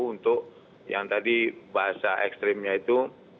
untuk yang tadi bahasa ekstrimnya itu